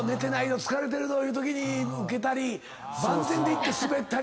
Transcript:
疲れてるぞいうときにウケたり万全でいってスベったり。